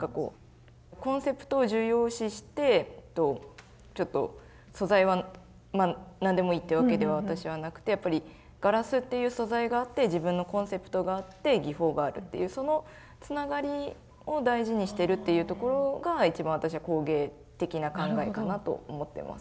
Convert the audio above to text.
コンセプトを重要視してちょっと素材は何でもいいってわけでは私はなくてやっぱりガラスっていう素材があって自分のコンセプトがあって技法があるっていうそのつながりを大事にしてるっていうところが一番私は工芸的な考えかなと思ってます。